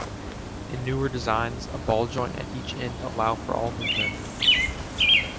In newer designs, a ball joint at each end allow for all movement.